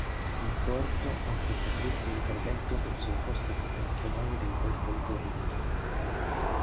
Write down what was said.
Un porto offre servizi di traghetto verso la costa settentrionale del golfo di Corinto.